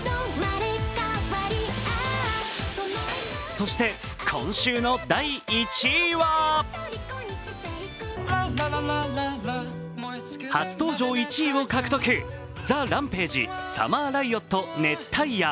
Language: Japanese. そして、今週の第１位は初登場１位を獲得、ＴＨＥＲＡＭＰＡＧＥ「ＳｕｍｍｅｒＲｉｏｔ熱帯夜」。